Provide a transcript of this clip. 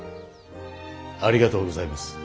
ありがとうございます。